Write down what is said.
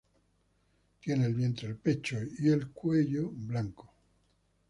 Tiene el vientre, el pecho y el cuello blanco.